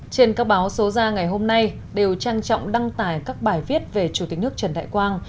trên các báo số ra ngày hôm nay đều trang trọng đăng tải các bài viết về chủ tịch nước trần đại quang